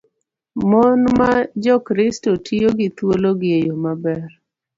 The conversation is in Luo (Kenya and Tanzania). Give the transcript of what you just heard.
Mon ma Jokristo tiyo gi thuologi e yo maber.